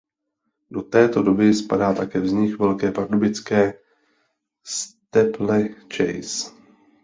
Do této doby spadá také vznik Velké pardubické steeplechase.